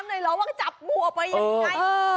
ไม่ถามหน่อยหรือว่าก็จับหัวไปยังไง